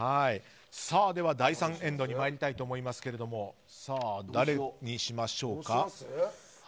では第３エンドに参りたいと思いますけれども誰にしましょうか？